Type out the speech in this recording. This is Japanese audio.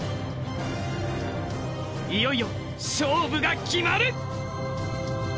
いよいよ勝負が決まる！